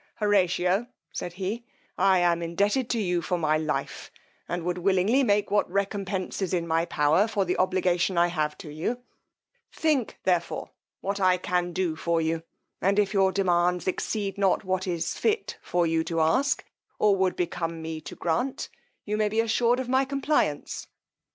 Horatio, said he, I am indebted to you for my life, and would willingly make what recompence is in my power for the obligation I have to you: think therefore what I can do for you; and if your demands exceed not what is fit for you to ask, or would become me to grant, you may be assured of my compliance.